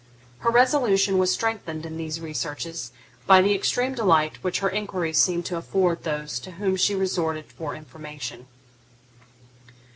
Her resolution was strengthened in these researches by the extreme delight which her inquiries seemed to afford those to whom she resorted for information.